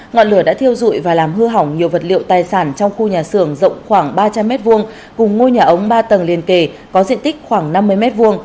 ngọn lửa đã thiêu dụi và làm hư hỏng nhiều vật liệu tài sản trong khu nhà xưởng rộng khoảng ba trăm linh m hai cùng ngôi nhà ống ba tầng liên kề có diện tích khoảng năm mươi m hai